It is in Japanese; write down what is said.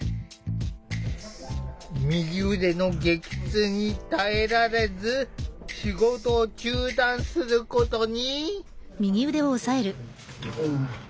右腕の激痛に耐えられず仕事を中断することに。